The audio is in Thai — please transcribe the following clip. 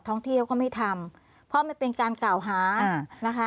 ท่องเที่ยวก็ไม่ทำเพราะมันเป็นการกล่าวหานะคะ